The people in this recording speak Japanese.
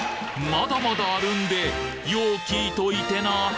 まだまだあるんで、よう聞いといてな。